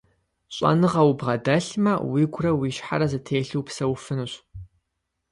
ЩӀэныгъэ убгъэдэлъмэ, уигурэ уи щхьэрэ зэтелъу упсэуфынущ.